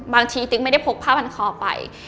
บางทีติ๊กไม่ได้พกผ้าพันคอไป